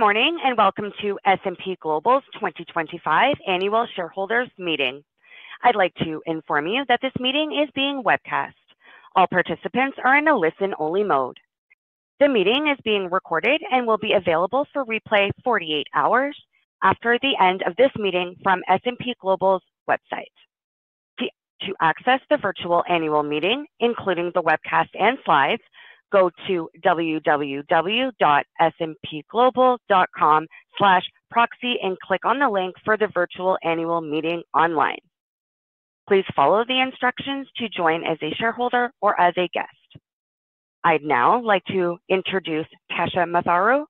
Good morning and welcome to S&P Global's 2025 Annual Shareholders Meeting. I'd like to inform you that this meeting is being webcast. All participants are in a listen-only mode. The meeting is being recorded and will be available for replay 48 hours after the end of this meeting from S&P Global's website. To access the virtual annual meeting, including the webcast and slides, go to www.spglobal.com/proxy and click on the link for the virtual annual meeting online. Please follow the instructions to join as a shareholder or as a guest. I'd now like to introduce Tasha Matharu,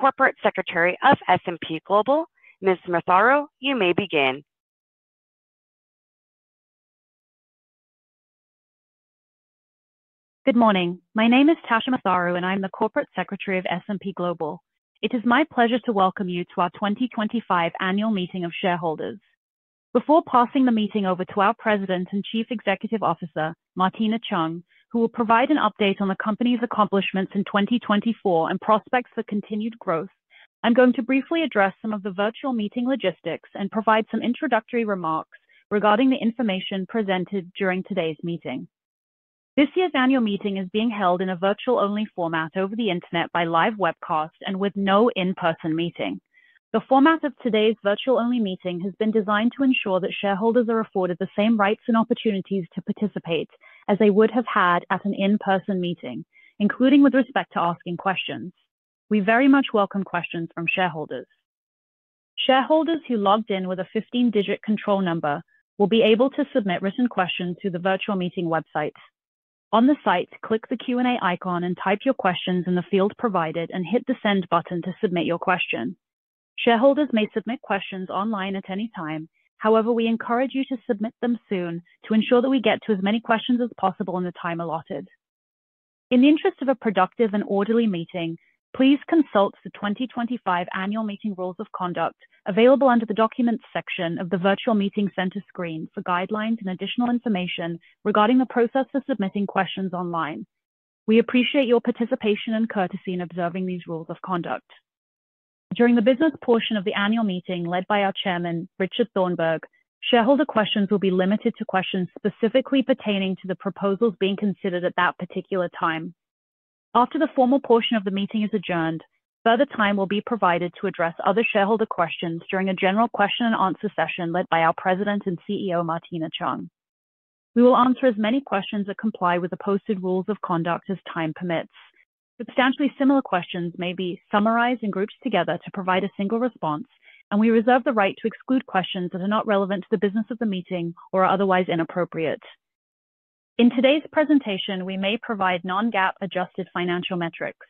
Corporate Secretary of S&P Global. Ms. Matharu, you may begin. Good morning. My name is Tasha Matharu and I'm the Corporate Secretary of S&P Global. It is my pleasure to welcome you to our 2025 Annual Meeting of Shareholders. Before passing the meeting over to our President and Chief Executive Officer, Martina Cheung, who will provide an update on the company's accomplishments in 2024 and prospects for continued growth, I'm going to briefly address some of the virtual meeting logistics and provide some introductory remarks regarding the information presented during today's meeting. This year's annual meeting is being held in a virtual-only format over the internet by live webcast and with no in-person meeting. The format of today's virtual-only meeting has been designed to ensure that shareholders are afforded the same rights and opportunities to participate as they would have had at an in-person meeting, including with respect to asking questions. We very much welcome questions from shareholders. Shareholders who logged in with a 15-digit control number will be able to submit written questions to the virtual meeting website. On the site, click the Q&A icon and type your questions in the field provided and hit the send button to submit your question. Shareholders may submit questions online at any time. However, we encourage you to submit them soon to ensure that we get to as many questions as possible in the time allotted. In the interest of a productive and orderly meeting, please consult the 2025 Annual Meeting Rules of Conduct available under the Documents section of the Virtual Meeting Center screen for guidelines and additional information regarding the process for submitting questions online. We appreciate your participation and courtesy in observing these rules of conduct. During the business portion of the annual meeting led by our Chairman, Richard Thornburg, shareholder questions will be limited to questions specifically pertaining to the proposals being considered at that particular time. After the formal portion of the meeting is adjourned, further time will be provided to address other shareholder questions during a general question-and-answer session led by our President and CEO, Martina Cheung. We will answer as many questions that comply with the posted rules of conduct as time permits. Substantially similar questions may be summarized in groups together to provide a single response, and we reserve the right to exclude questions that are not relevant to the business of the meeting or are otherwise inappropriate. In today's presentation, we may provide non-GAAP-adjusted financial metrics.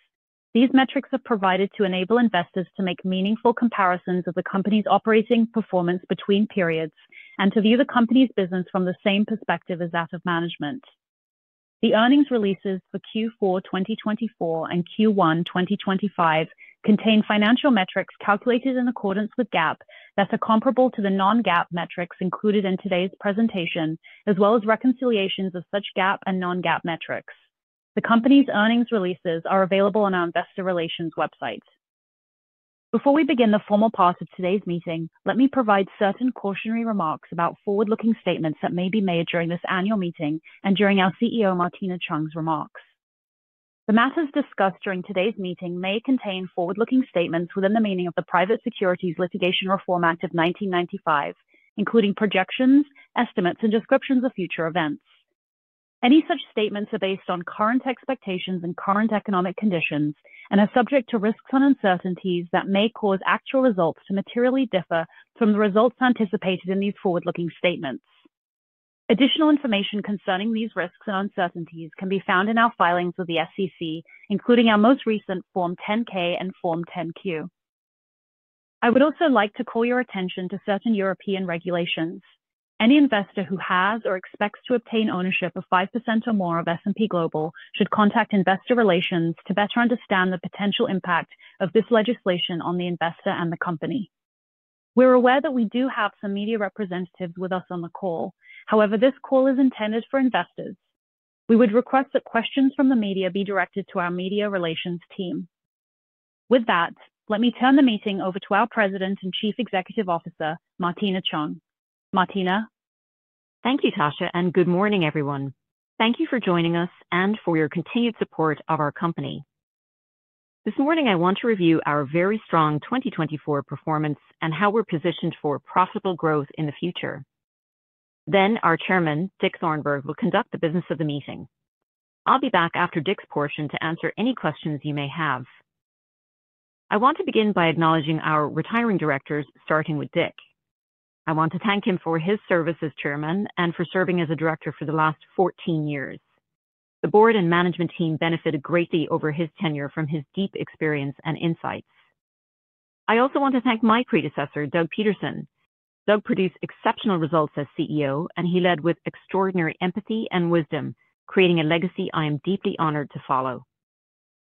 These metrics are provided to enable investors to make meaningful comparisons of the company's operating performance between periods and to view the company's business from the same perspective as that of management. The earnings releases for Q4 2024 and Q1 2025 contain financial metrics calculated in accordance with GAAP that are comparable to the non-GAAP metrics included in today's presentation, as well as reconciliations of such GAAP and non-GAAP metrics. The company's earnings releases are available on our Investor Relations website. Before we begin the formal part of today's meeting, let me provide certain cautionary remarks about forward-looking statements that may be made during this annual meeting and during our CEO, Martina Cheung's remarks. The matters discussed during today's meeting may contain forward-looking statements within the meaning of the Private Securities Litigation Reform Act of 1995, including projections, estimates, and descriptions of future events. Any such statements are based on current expectations and current economic conditions and are subject to risks and uncertainties that may cause actual results to materially differ from the results anticipated in these forward-looking statements. Additional information concerning these risks and uncertainties can be found in our filings with the SEC, including our most recent Form 10-K and Form 10-Q. I would also like to call your attention to certain European regulations. Any investor who has or expects to obtain ownership of 5% or more of S&P Global should contact Investor Relations to better understand the potential impact of this legislation on the investor and the company. We're aware that we do have some media representatives with us on the call. However, this call is intended for investors. We would request that questions from the media be directed to our Media Relations team. With that, let me turn the meeting over to our President and Chief Executive Officer, Martina Cheung. Martina. Thank you, Tasha, and good morning, everyone. Thank you for joining us and for your continued support of our company. This morning, I want to review our very strong 2024 performance and how we're positioned for profitable growth in the future. Our Chairman, Dick Thornburg, will conduct the business of the meeting. I'll be back after Dick's portion to answer any questions you may have. I want to begin by acknowledging our retiring directors, starting with Dick. I want to thank him for his service as Chairman and for serving as a Director for the last 14 years. The board and management team benefited greatly over his tenure from his deep experience and insights. I also want to thank my predecessor, Doug Peterson. Doug produced exceptional results as CEO, and he led with extraordinary empathy and wisdom, creating a legacy I am deeply honored to follow.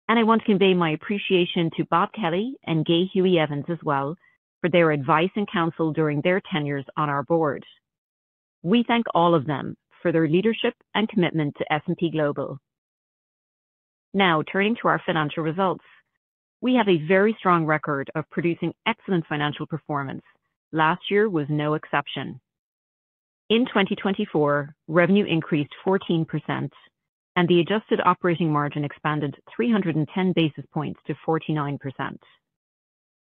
I want to convey my appreciation to Bob Kelly and Gay Huey Evans as well for their advice and counsel during their tenures on our board. We thank all of them for their leadership and commitment to S&P Global. Now, turning to our financial results, we have a very strong record of producing excellent financial performance. Last year was no exception. In 2024, revenue increased 14%, and the adjusted operating margin expanded 310 basis points to 49%.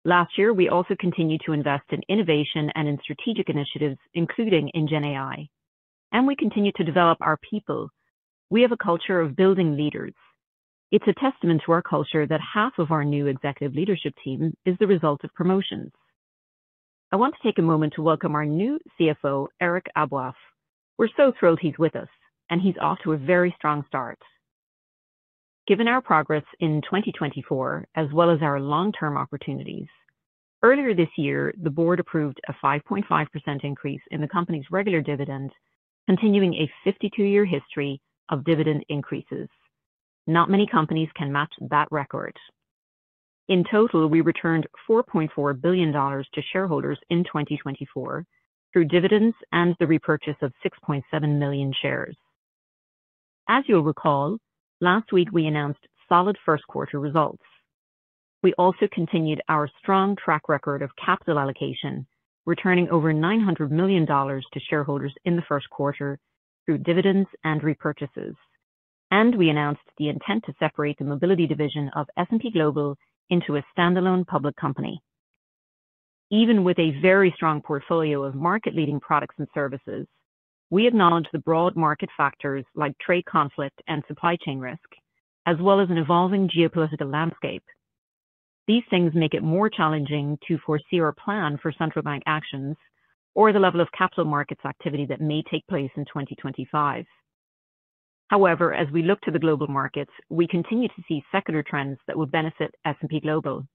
Last year, we also continued to invest in innovation and in strategic initiatives, including in GenAI. We continue to develop our people. We have a culture of building leaders. It's a testament to our culture that half of our new executive leadership team is the result of promotions. I want to take a moment to welcome our new CFO, Eric Aboaf. We're so thrilled he's with us, and he's off to a very strong start. Given our progress in 2024, as well as our long-term opportunities, earlier this year, the board approved a 5.5% increase in the company's regular dividend, continuing a 52-year history of dividend increases. Not many companies can match that record. In total, we returned $4.4 billion to shareholders in 2024 through dividends and the repurchase of 6.7 million shares. As you'll recall, last week we announced solid first-quarter results. We also continued our strong track record of capital allocation, returning over $900 million to shareholders in the first quarter through dividends and repurchases. We announced the intent to separate the mobility division of S&P Global into a standalone public company. Even with a very strong portfolio of market-leading products and services, we acknowledge the broad market factors like trade conflict and supply chain risk, as well as an evolving geopolitical landscape. These things make it more challenging to foresee our plan for central bank actions or the level of capital markets activity that may take place in 2025. However, as we look to the global markets, we continue to see secular trends that would benefit S&P Global.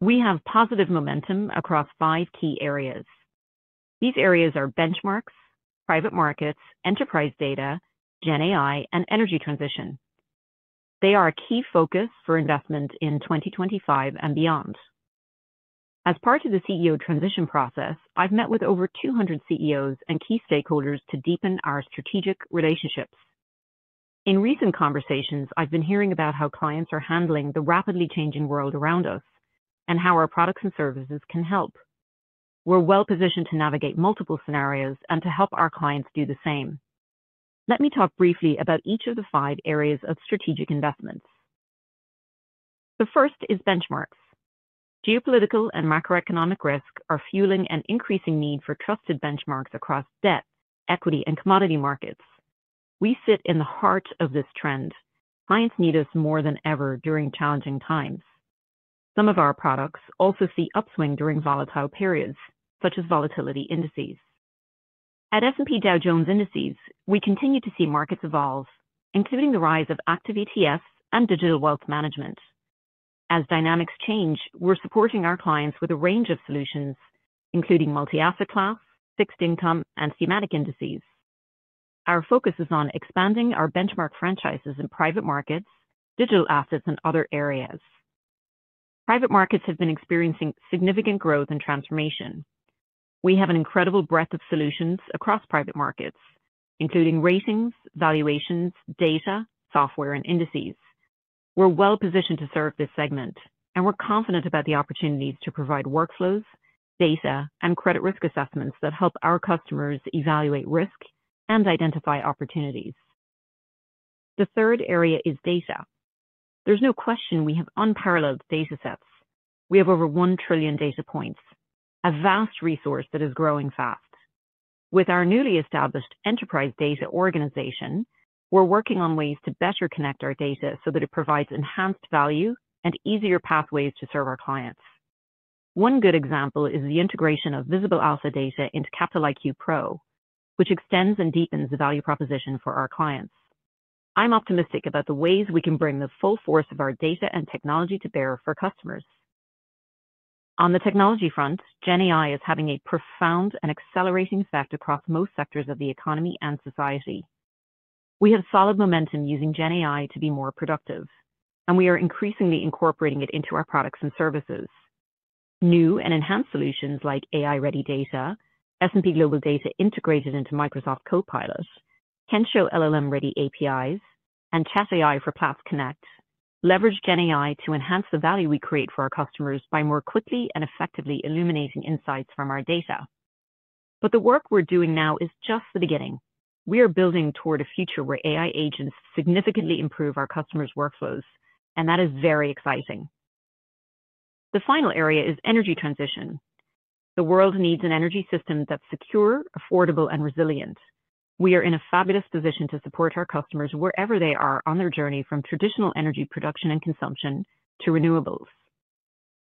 We have positive momentum across five key areas. These areas are benchmarks, private markets, enterprise data, GenAI, and energy transition. They are a key focus for investment in 2025 and beyond. As part of the CEO transition process, I've met with over 200 CEOs and key stakeholders to deepen our strategic relationships. In recent conversations, I've been hearing about how clients are handling the rapidly changing world around us and how our products and services can help. We're well-positioned to navigate multiple scenarios and to help our clients do the same. Let me talk briefly about each of the five areas of strategic investments. The first is benchmarks. Geopolitical and macroeconomic risk are fueling an increasing need for trusted benchmarks across debt, equity, and commodity markets. We sit in the heart of this trend. Clients need us more than ever during challenging times. Some of our products also see upswing during volatile periods, such as volatility indices. At S&P Dow Jones Indices, we continue to see markets evolve, including the rise of active ETFs and digital wealth management. As dynamics change, we're supporting our clients with a range of solutions, including multi-asset class, fixed income, and thematic indices. Our focus is on expanding our benchmark franchises in private markets, digital assets, and other areas. Private markets have been experiencing significant growth and transformation. We have an incredible breadth of solutions across private markets, including ratings, valuations, data, software, and indices. We're well-positioned to serve this segment, and we're confident about the opportunities to provide workflows, data, and credit risk assessments that help our customers evaluate risk and identify opportunities. The third area is data. There's no question we have unparalleled data sets. We have over 1 trillion data points, a vast resource that is growing fast. With our newly established enterprise data organization, we're working on ways to better connect our data so that it provides enhanced value and easier pathways to serve our clients. One good example is the integration of Visible Alpha data into Capital IQ Pro, which extends and deepens the value proposition for our clients. I'm optimistic about the ways we can bring the full force of our data and technology to bear for customers. On the technology front, GenAI is having a profound and accelerating effect across most sectors of the economy and society. We have solid momentum using GenAI to be more productive, and we are increasingly incorporating it into our products and services. New and enhanced solutions like AI-ready data, S&P Global Data integrated into Microsoft Copilot, Kensho LLM-ready APIs, and ChatAI for Platts Connect leverage GenAI to enhance the value we create for our customers by more quickly and effectively illuminating insights from our data. The work we're doing now is just the beginning. We are building toward a future where AI agents significantly improve our customers' workflows, and that is very exciting. The final area is energy transition. The world needs an energy system that is secure, affordable, and resilient. We are in a fabulous position to support our customers wherever they are on their journey from traditional energy production and consumption to renewables.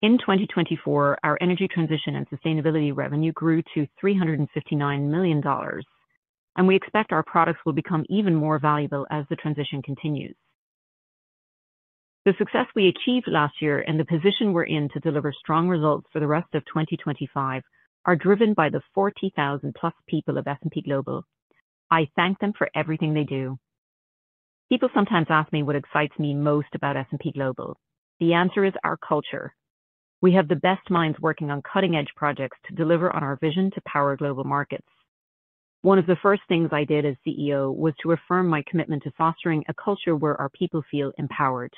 In 2024, our energy transition and sustainability revenue grew to $359 million, and we expect our products will become even more valuable as the transition continues. The success we achieved last year and the position we are in to deliver strong results for the rest of 2025 are driven by the 40,000+ people of S&P Global. I thank them for everything they do. People sometimes ask me what excites me most about S&P Global. The answer is our culture. We have the best minds working on cutting-edge projects to deliver on our vision to power global markets. One of the first things I did as CEO was to affirm my commitment to fostering a culture where our people feel empowered.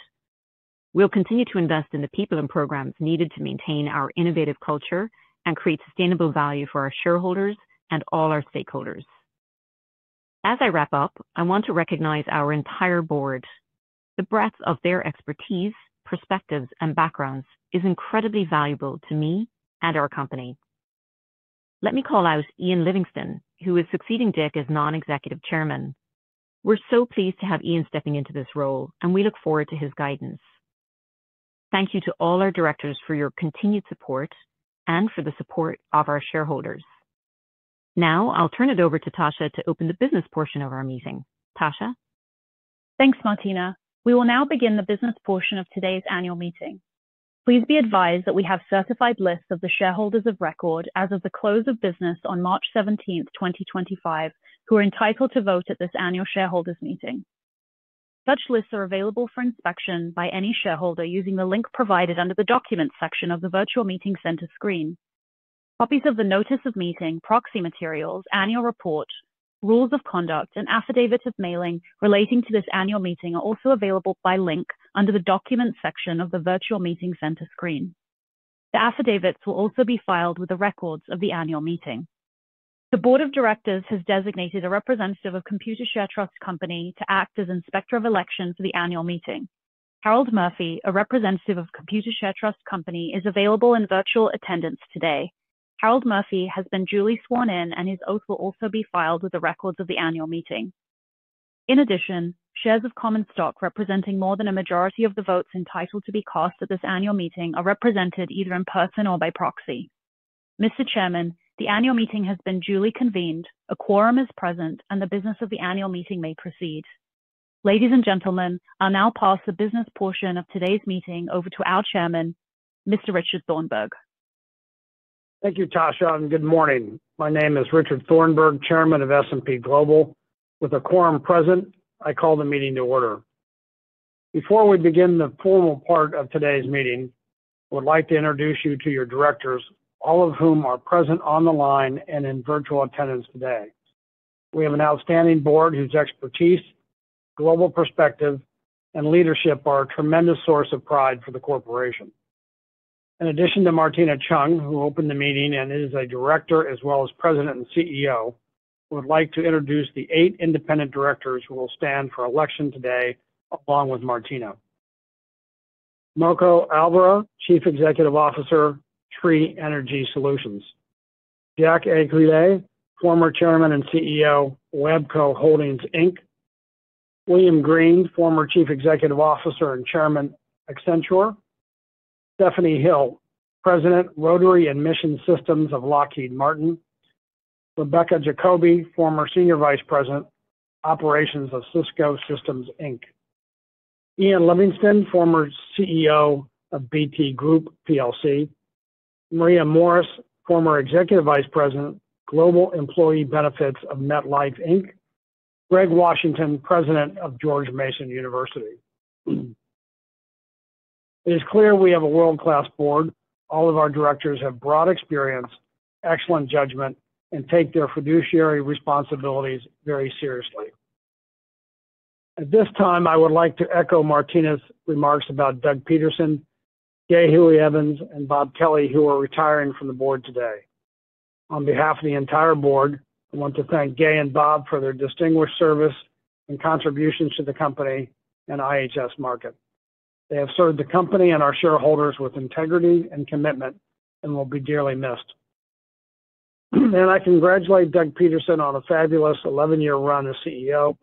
We'll continue to invest in the people and programs needed to maintain our innovative culture and create sustainable value for our shareholders and all our stakeholders. As I wrap up, I want to recognize our entire board. The breadth of their expertise, perspectives, and backgrounds is incredibly valuable to me and our company. Let me call out Ian Livingston, who is succeeding Dick as non-Executive Chairman. We're so pleased to have Ian stepping into this role, and we look forward to his guidance. Thank you to all our directors for your continued support and for the support of our shareholders. Now, I'll turn it over to Tasha to open the business portion of our meeting. Tasha. Thanks, Martina. We will now begin the business portion of today's annual meeting. Please be advised that we have certified lists of the shareholders of record as of the close of business on March 17th, 2025, who are entitled to vote at this annual shareholders' meeting. Such lists are available for inspection by any shareholder using the link provided under the documents section of the virtual meeting center screen. Copies of the notice of meeting, proxy materials, annual report, rules of conduct, and affidavit of mailing relating to this annual meeting are also available by link under the documents section of the virtual meeting center screen. The affidavits will also be filed with the records of the annual meeting. The Board of Directors has designated a representative of Computershare Trust Company to act as inspector of election for the annual meeting. Harold Murphy, a representative of Computershare Trust Company, is available in virtual attendance today. Harold Murphy has been duly sworn in, and his oath will also be filed with the records of the annual meeting. In addition, shares of common stock representing more than a majority of the votes entitled to be cast at this annual meeting are represented either in person or by proxy. Mr. Chairman, the annual meeting has been duly convened, a quorum is present, and the business of the annual meeting may proceed. Ladies and gentlemen, I'll now pass the business portion of today's meeting over to our Chairman, Mr. Richard Thornburgh. Thank you, Tasha, and good morning. My name is Richard Thornburgh, Chairman of S&P Global. With the quorum present, I call the meeting to order. Before we begin the formal part of today's meeting, I would like to introduce you to your directors, all of whom are present on the line and in virtual attendance today. We have an outstanding board whose expertise, global perspective, and leadership are a tremendous source of pride for the corporation. In addition to Martina Cheung, who opened the meeting and is a director as well as President and CEO, I would like to introduce the eight independent directors who will stand for election today along with Martina. Marco Alverà, Chief Executive Officer, Tree Energy Solutions. Jacques Esculier, former Chairman and CEO, WABCO Holdings Inc. William Green, former Chief Executive Officer and Chairman, Accenture. Stephanie Hill, President, Rotary and Mission Systems of Lockheed Martin. Rebecca Jacobi, former Senior Vice President, Operations of Cisco Systems Inc. Ian Livingston, former CEO of BT Group Plc. Maria Morris, former Executive Vice President, Global Employee Benefits of MetLife Inc. Greg Washington, President of George Mason University. It is clear we have a world-class board. All of our directors have broad experience, excellent judgment, and take their fiduciary responsibilities very seriously. At this time, I would like to echo Martina's remarks about Doug Peterson, Gay Huey Evans, and Bob Kelly, who are retiring from the board today. On behalf of the entire board, I want to thank Gay and Bob for their distinguished service and contributions to the company and IHS Markit. They have served the company and our shareholders with integrity and commitment and will be dearly missed. I congratulate Doug Peterson on a fabulous 11-year run as CEO.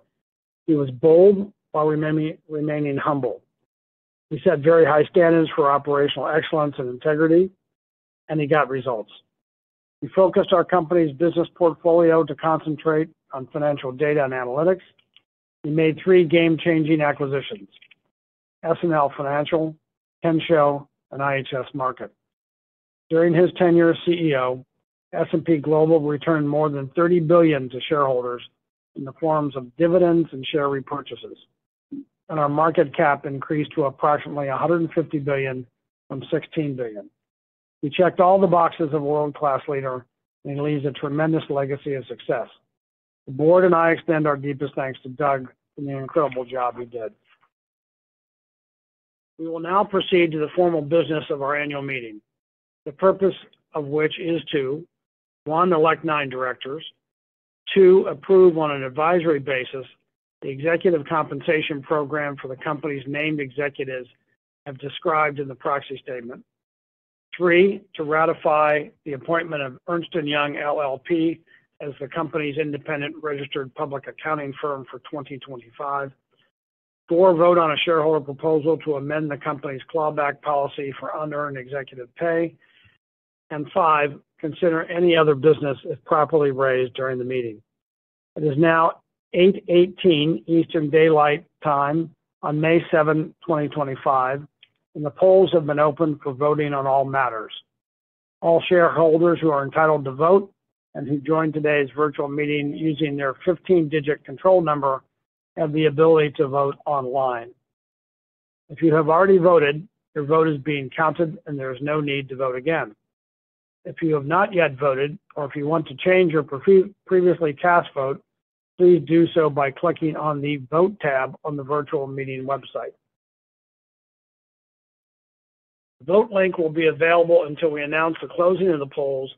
He was bold while remaining humble. He set very high standards for operational excellence and integrity, and he got results. He focused our company's business portfolio to concentrate on financial data and analytics. He made three game-changing acquisitions: SNL Financial, Kensho, and IHS Markit. During his tenure as CEO, S&P Global returned more than $30 billion to shareholders in the forms of dividends and share repurchases, and our market cap increased to approximately $150 billion from $16 billion. He checked all the boxes of a world-class leader, and he leaves a tremendous legacy of success. The board and I extend our deepest thanks to Doug for the incredible job he did. We will now proceed to the formal business of our annual meeting, the purpose of which is to: one, elect nine directors; two, approve on an advisory basis the executive compensation program for the company's named executives as described in the proxy statement; three, to ratify the appointment of Ernst & Young LLP as the company's independent registered public accounting firm for 2025; four, vote on a shareholder proposal to amend the company's clawback policy for unearned executive pay; and five, consider any other business if properly raised during the meeting. It is now 8:18 Eastern Daylight Time on May 7th, 2025, and the polls have been open for voting on all matters. All shareholders who are entitled to vote and who joined today's virtual meeting using their 15-digit control number have the ability to vote online. If you have already voted, your vote is being counted, and there is no need to vote again. If you have not yet voted, or if you want to change your previously cast vote, please do so by clicking on the vote tab on the virtual meeting website. The vote link will be available until we announce the closing of the polls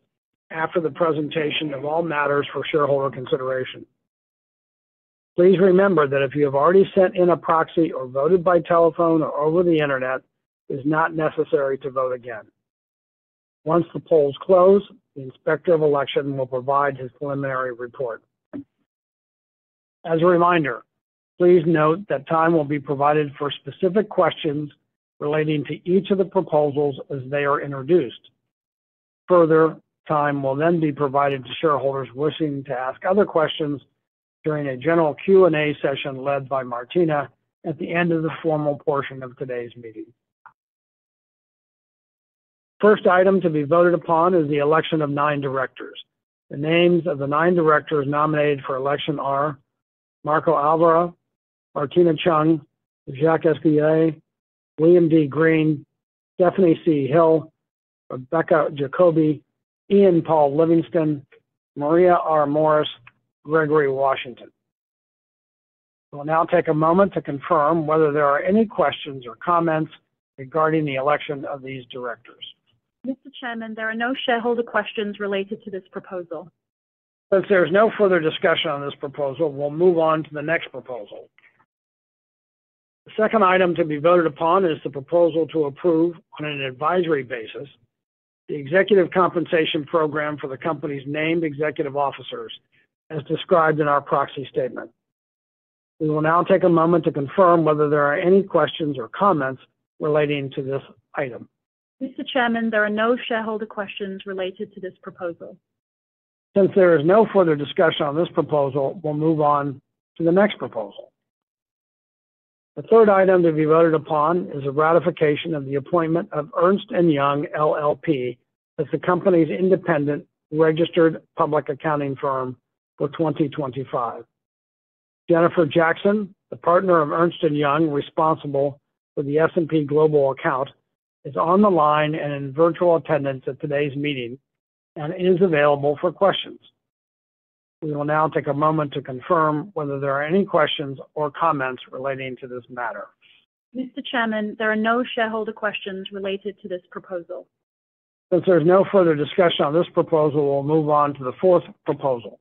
after the presentation of all matters for shareholder consideration. Please remember that if you have already sent in a proxy or voted by telephone or over the internet, it is not necessary to vote again. Once the polls close, the inspector of election will provide his preliminary report. As a reminder, please note that time will be provided for specific questions relating to each of the proposals as they are introduced. Further time will then be provided to shareholders wishing to ask other questions during a general Q&A session led by Martina at the end of the formal portion of today's meeting. The first item to be voted upon is the election of nine directors. The names of the nine directors nominated for election are Marco Alverà, Martina Cheung, Jacques Esculier, William D. Green, Stephanie C. Hill, Rebecca Jacobi, Ian Paul Livingston, Maria R. Morris, Gregory Washington. We'll now take a moment to confirm whether there are any questions or comments regarding the election of these directors. Mr. Chairman, there are no shareholder questions related to this proposal. Since there is no further discussion on this proposal, we'll move on to the next proposal. The second item to be voted upon is the proposal to approve on an advisory basis the executive compensation program for the company's named executive officers as described in our proxy statement. We will now take a moment to confirm whether there are any questions or comments relating to this item. Mr. Chairman, there are no shareholder questions related to this proposal. Since there is no further discussion on this proposal, we'll move on to the next proposal. The third item to be voted upon is the ratification of the appointment of Ernst & Young LLP as the company's independent registered public accounting firm for 2025. Jennifer Jackson, the partner of Ernst & Young responsible for the S&P Global account, is on the line and in virtual attendance at today's meeting and is available for questions. We will now take a moment to confirm whether there are any questions or comments relating to this matter. Mr. Chairman, there are no shareholder questions related to this proposal. Since there is no further discussion on this proposal, we'll move on to the fourth proposal.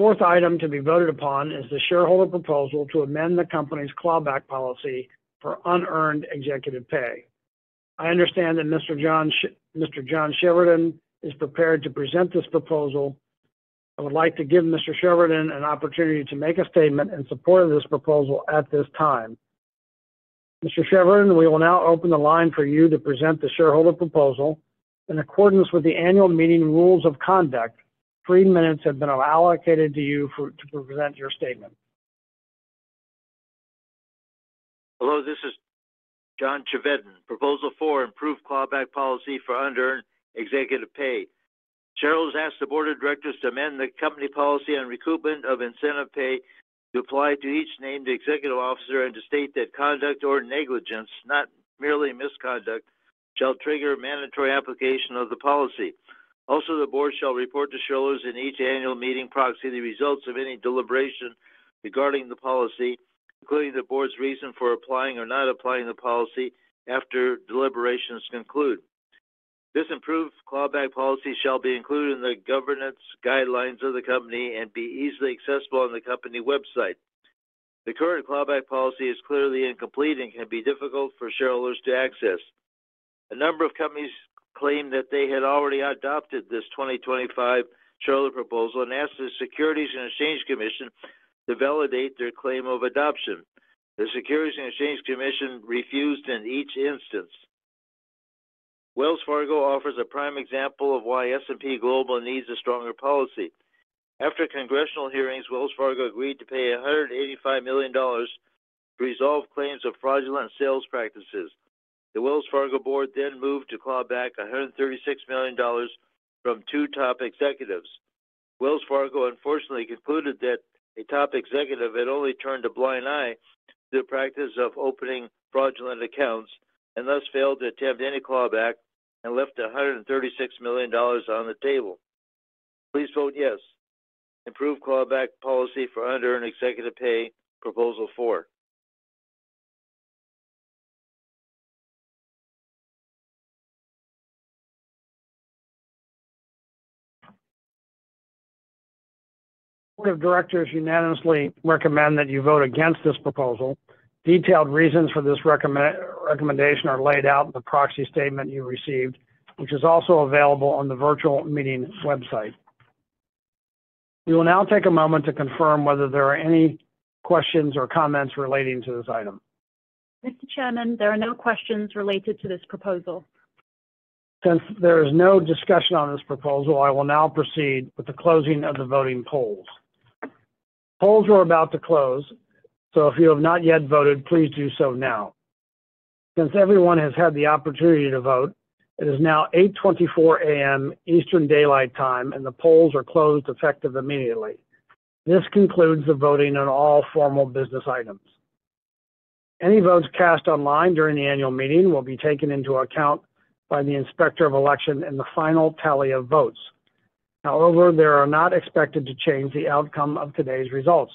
The fourth item to be voted upon is the shareholder proposal to amend the company's clawback policy for unearned executive pay. I understand that Mr. John Chevedden is prepared to present this proposal. I would like to give Mr. Chevedden an opportunity to make a statement in support of this proposal at this time. Mr. Chevedden, we will now open the line for you to present the shareholder proposal. In accordance with the annual meeting rules of conduct, three minutes have been allocated to you to present your statement. Hello, this is John Chevedden. Proposal four, improve clawback policy for unearned executive pay. The Chair has asked the Board of Directors to amend the company policy on recoupment of incentive pay to apply to each named executive officer and to state that conduct or negligence, not merely misconduct, shall trigger mandatory application of the policy. Also, the Board shall report to shareholders in each annual meeting proxy the results of any deliberation regarding the policy, including the Board's reason for applying or not applying the policy after deliberations conclude. This improved clawback policy shall be included in the governance guidelines of the company and be easily accessible on the company website. The current clawback policy is clearly incomplete and can be difficult for shareholders to access. A number of companies claimed that they had already adopted this 2025 shareholder proposal and asked the Securities and Exchange Commission to validate their claim of adoption. The Securities and Exchange Commission refused in each instance. Wells Fargo offers a prime example of why S&P Global needs a stronger policy. After congressional hearings, Wells Fargo agreed to pay $185 million to resolve claims of fraudulent sales practices. The Wells Fargo board then moved to claw back $136 million from two top executives. Wells Fargo, unfortunately, concluded that a top executive had only turned a blind eye to the practice of opening fraudulent accounts and thus failed to attempt any clawback and left $136 million on the table. Please vote yes. Improve clawback policy for unearned executive pay proposal four. Board of directors unanimously recommend that you vote against this proposal. Detailed reasons for this recommendation are laid out in the proxy statement you received, which is also available on the virtual meeting website. We will now take a moment to confirm whether there are any questions or comments relating to this item. Mr. Chairman, there are no questions related to this proposal. Since there is no discussion on this proposal, I will now proceed with the closing of the voting polls. Polls are about to close, so if you have not yet voted, please do so now. Since everyone has had the opportunity to vote, it is now 8:24 A.M. Eastern Daylight Time, and the polls are closed effective immediately. This concludes the voting on all formal business items. Any votes cast online during the annual meeting will be taken into account by the inspector of election in the final tally of votes. However, they are not expected to change the outcome of today's results.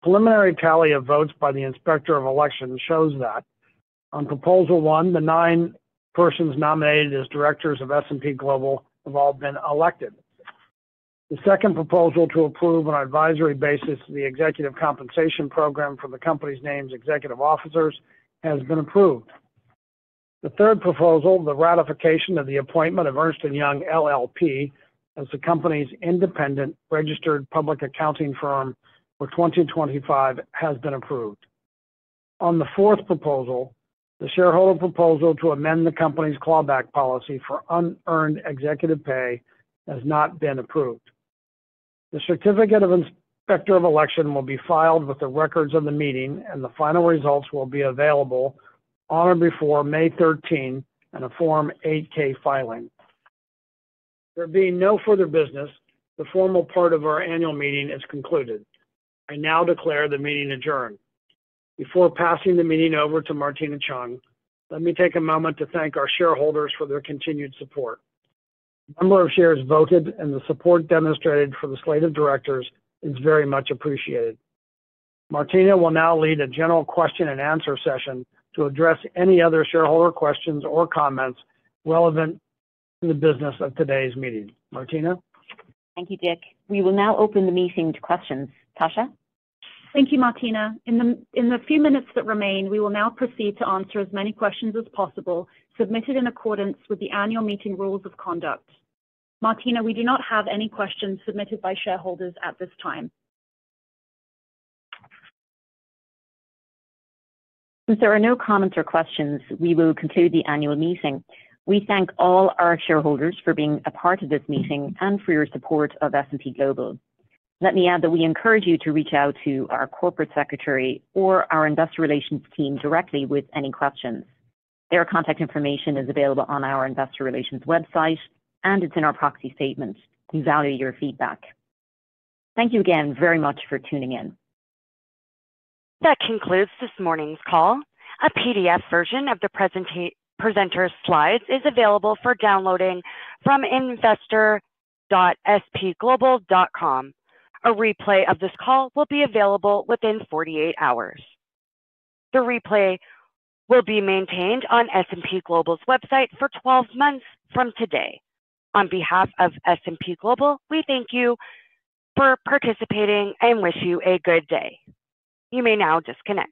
The preliminary tally of votes by the inspector of election shows that on proposal one, the nine persons nominated as directors of S&P Global have all been elected. The second proposal to approve on an advisory basis the executive compensation program for the company's named executive officers has been approved. The third proposal, the ratification of the appointment of Ernst & Young LLP as the company's independent registered public accounting firm for 2025, has been approved. On the fourth proposal, the shareholder proposal to amend the company's clawback policy for unearned executive pay has not been approved. The certificate of inspector of election will be filed with the records of the meeting, and the final results will be available on or before May 13th and a Form 8-K filing. There being no further business, the formal part of our annual meeting is concluded. I now declare the meeting adjourned. Before passing the meeting over to Martina Cheung, let me take a moment to thank our shareholders for their continued support. The number of shares voted and the support demonstrated for the slate of directors is very much appreciated. Martina will now lead a general question-and-answer session to address any other shareholder questions or comments relevant to the business of today's meeting. Martina? Thank you, Dick. We will now open the meeting to questions. Tasha? Thank you, Martina. In the few minutes that remain, we will now proceed to answer as many questions as possible submitted in accordance with the annual meeting rules of conduct. Martina, we do not have any questions submitted by shareholders at this time. Since there are no comments or questions, we will conclude the annual meeting. We thank all our shareholders for being a part of this meeting and for your support of S&P Global. Let me add that we encourage you to reach out to our Corporate Secretary or our investor relations team directly with any questions. Their contact information is available on our investor relations website, and it is in our proxy statement. We value your feedback. Thank you again very much for tuning in. That concludes this morning's call. A PDF version of the presenter's slides is available for downloading from investor.spglobal.com. A replay of this call will be available within 48 hours. The replay will be maintained on S&P Global's website for 12 months from today. On behalf of S&P Global, we thank you for participating and wish you a good day. You may now disconnect.